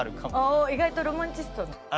おお意外とロマンチスト？